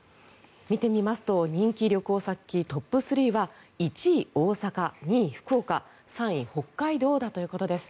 見てみますと人気旅行先トップ３は１位、大阪２位、福岡３位、北海道だということです。